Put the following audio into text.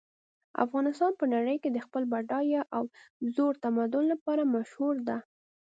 افغانستان په نړۍ کې د خپل بډایه او زوړ تمدن لپاره مشهور ده